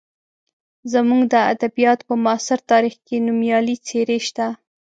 زموږ د ادبیاتو په معاصر تاریخ کې نومیالۍ څېرې شته.